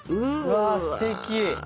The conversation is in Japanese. わすてき。